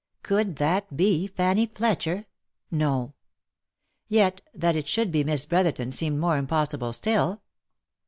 Could that be Fanny Fletcher? No. Yet that it should be Miss Brotherton seemed more impossible still.